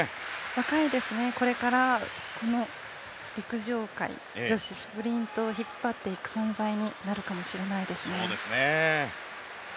若いですね、これからこの陸上界、女子スプリントを引っ張っていく存在になるかもしれないです。